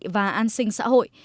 và an sinh xã hội